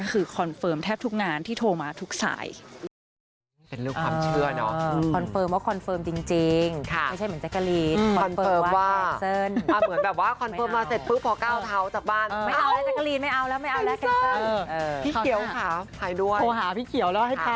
คือคอนเฟิร์มแทบทุกงานที่โทรมาทุกสาย